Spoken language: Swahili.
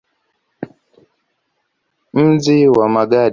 Mji wa Magadi upo kwenye pwani ya mashariki ya ziwa hili.